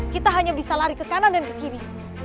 kita hanya bisa lari ke kanan dan ke kiri